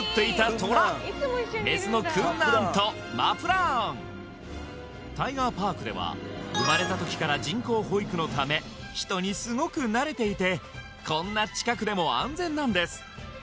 トラタイガーパークでは生まれた時から人工哺育のため人にすごくなれていてこんな近くでも安全なんです